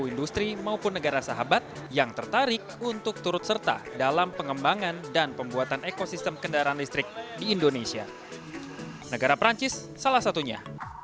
indonesia negara perancis salah satunya